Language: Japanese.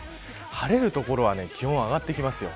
晴れる所は気温が上がってきます。